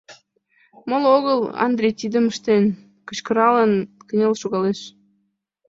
— Моло огыл, Андрий тидым ыштен! — кычкыралын, кынел шогалеш.